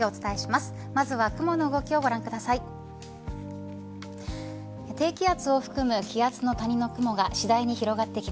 まずは雲の動きをご覧ください。